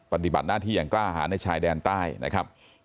ปฏิบัติหน้าที่อย่างกล้าหาในชายแดนใต้นะครับ